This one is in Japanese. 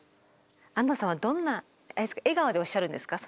安藤さんはどんな笑顔でおっしゃるんですか？